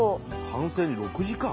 「完成に６時間」？